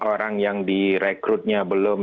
orang yang direkrutnya belum